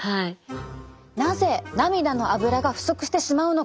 なぜ涙のアブラが不足してしまうのか。